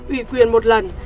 ủy quyền một lần